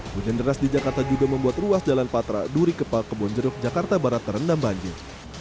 hujan deras di jakarta juga membuat ruas jalan patra duri kepal kebonjeruk jakarta barat terendam banjir